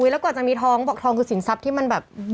แล้วกว่าจะมีทองบอกทองคือสินทรัพย์ที่อยู่แล้วเซฟสุด